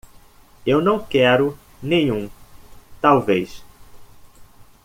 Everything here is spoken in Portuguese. Eu não quero nenhum talvez.